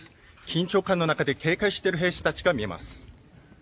緊張感の中で警戒している兵士たちが見えます。